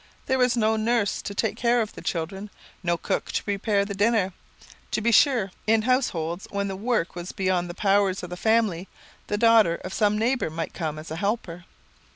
There was no nurse to take care of the children, no cook to prepare the dinner. To be sure, in households when the work was beyond the powers of the family, the daughter of some neighbour might come as a helper.